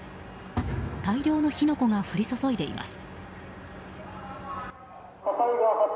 大量の火の粉が降り注いでいます。